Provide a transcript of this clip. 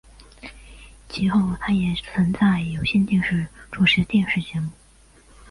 其后他也曾在有线电视主持电视节目。